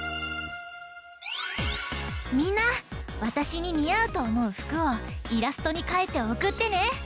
みんなわたしににあうとおもうふくをイラストにかいておくってね！